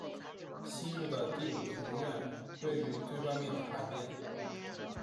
昔日的第五庭院位于最外面的海边。